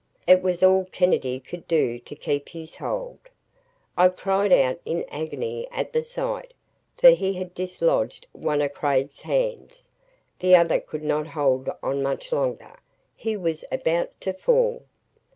It was all Kennedy could do to keep his hold. I cried out in agony at the sight, for he had dislodged one of Craig's hands. The other could not hold on much longer. He was about to fall.